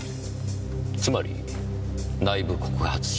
つまり内部告発者。